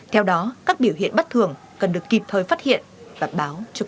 theo đó các biểu hiện bất thường cần được kịp thời phát hiện và báo cho cơ quan chức đăng